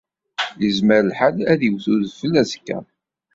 Yezmer lḥal ad d-iwet udfel azekka.